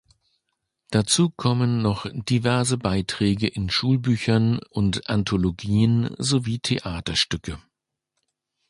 Dazu kommen noch diverse Beiträge in Schulbüchern und Anthologien sowie Theaterstücke.